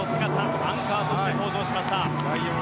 アンカーとして登場します。